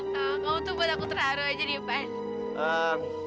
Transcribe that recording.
kamu tuh buat aku terharu aja nih ban